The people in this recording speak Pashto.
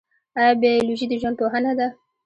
ایا بیولوژي د ژوند پوهنه ده؟